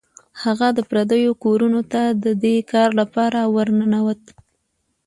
هغه د پردیو کورونو ته د دې کار لپاره ورنوت.